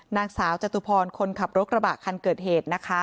นางสาวจตุพรคนขับรถกระบะคันเกิดเหตุนะคะ